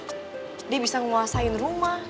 karena dia bisa nguasain rumah